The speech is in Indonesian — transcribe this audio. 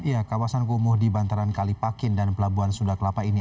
iya kawasan kumuh di bantaran kalipakin dan pelabuhan sudak lapa ini